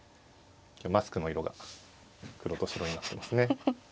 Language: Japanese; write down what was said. マスクの色が黒と白になってますね。